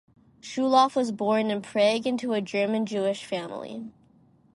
Schulhoff was born in Prague into a German-Jewish family.